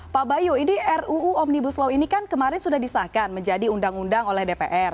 pak bayu ini ruu omnibus law ini kan kemarin sudah disahkan menjadi undang undang oleh dpr